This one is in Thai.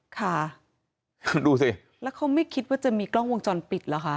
ค่ะดูสิแล้วเขาไม่คิดว่าจะมีกล้องวงจรปิดเหรอคะ